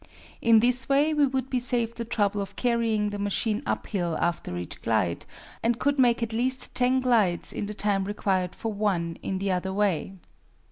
In this way we would be saved the trouble of carrying the machine uphill after each glide, and could make at least 10 glides in the time required for one in the other way.